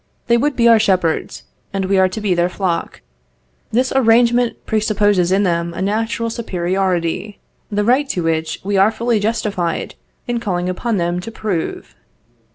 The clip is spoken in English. They would be our shepherds, and we are to be their flock. This arrangement presupposes in them a natural superiority, the right to which we are fully justified in calling upon them to prove.